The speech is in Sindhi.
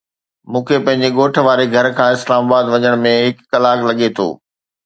مون کي پنهنجي ڳوٺ واري گهر کان اسلام آباد وڃڻ ۾ هڪ ڪلاڪ لڳي ٿو.